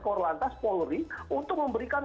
korlantas polri untuk memberikan